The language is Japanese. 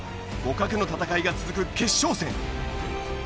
互角の戦いが続く決勝戦。